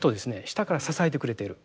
下から支えてくれている。